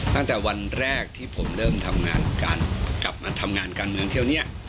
ตั้งแต่วันแรกที่ผมเริ่มทำงานการกลับมาทำงานการเมืองเที่ยวนี้